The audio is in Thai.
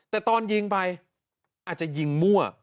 แต่ตอนยิงไปอาจจะยิงมั่ว